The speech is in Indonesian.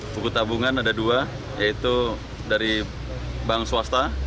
buku tabungan ada dua yaitu dari bank swasta